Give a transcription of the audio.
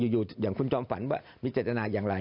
อยู่อย่างคุณจอมฝันว่ามีเจตนาอย่างไร